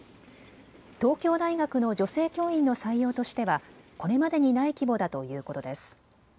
東京大学の女性教員の採用としてはこれまでにない規模だということです。